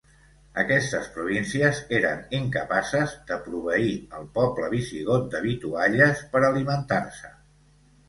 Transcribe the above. Aquestes províncies eren incapaces de proveir al poble visigot de vitualles per alimentar-se.